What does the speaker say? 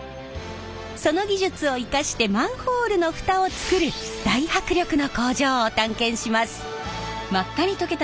その技術を生かしてマンホールの蓋を作る大迫力の工場を探検します！